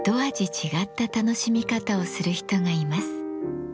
違った楽しみ方をする人がいます。